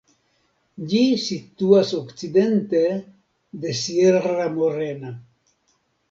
Ĝi situas okcidente de Sierra Morena.